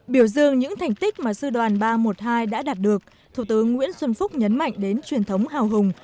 biểu dương những thành tích mà sư đoàn ba trăm một mươi hai đã đạt được thủ tướng nguyễn xuân phúc nhấn mạnh đến truyền thống hào hùng